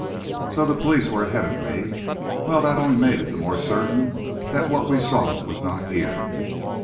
So the police were ahead of me! Well, that only made it the more certain that what we sought was not here.